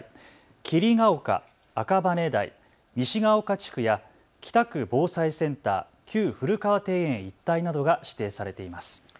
桐ケ丘・赤羽台・西が丘地区や北区防災センター・旧古河庭園一帯などが指定されています。